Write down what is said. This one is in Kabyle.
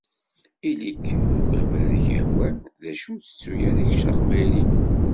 Ili-k n ukabar ik-yehwan, d acu ur tettu ara keč d aqbayli!